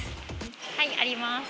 はい、あります。